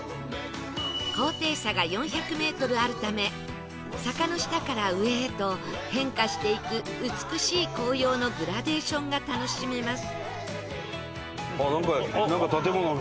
高低差が４００メートルあるため坂の下から上へと変化していく美しい紅葉のグラデーションが楽しめます